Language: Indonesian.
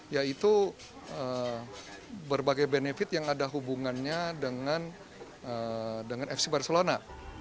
yaitu berbagai benefit yang ada hubungannya dengan fc barcelona